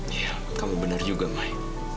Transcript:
iya kamu bener juga mai